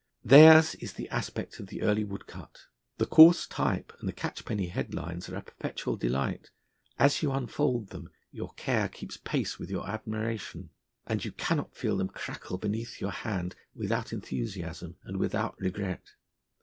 Theirs is the aspect of the early woodcut; the coarse type and the catchpenny headlines are a perpetual delight; as you unfold them, your care keeps pace with your admiration; and you cannot feel them crackle beneath your hand without enthusiasm and without regret.